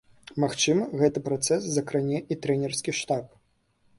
Магчыма, гэты працэс закране і трэнерскі штаб.